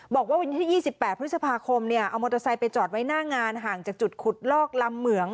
บอกว่าวันที่๒๘พฤษภาคมเอามอเตอร์ไซค์ไปจอดไว้หน้างานห่างจากจุดขุดลอกลำเหมือง